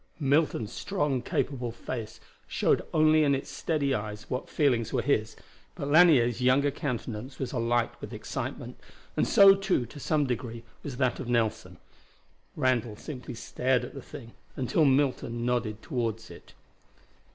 Milton's strong, capable face showed only in its steady eyes what feelings were his, but Lanier's younger countenance was alight with excitement; and so too to some degree was that of Nelson. Randall simply stared at the thing, until Milton nodded toward it.